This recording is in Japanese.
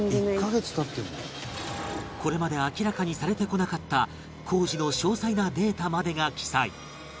これまで明らかにされてこなかった工事の詳細なデータまでが記載